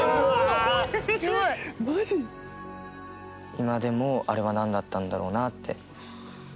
今でもあれはなんだったんだろうなって。